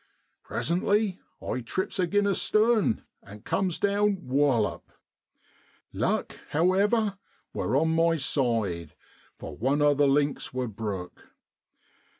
Presently I trips agin a stone, and comes down whallop ! Luck, however, wor on my side, for one o' the links wor broke.